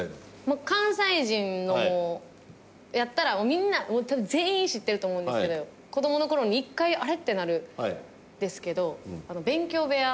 もう関西人やったらみんなもう多分全員知ってると思うんですけど子供の頃に一回あれ？ってなるんですけどべんきょう部屋。